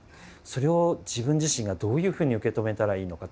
それを自分自身がどういうふうに受け止めたらいいのか。